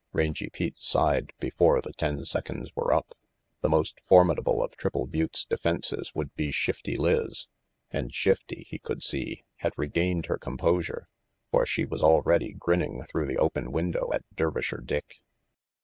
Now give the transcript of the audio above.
Rangy Pete sighed before the ten seconds were up. The most formidable of Triple Butte's defences would be Shifty Lizz, and Shifty, he could see, had regained her composure, for she was already grinning through the open window at Dervisher Dick.